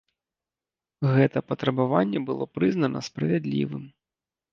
Гэта патрабаванне было прызнана справядлівым.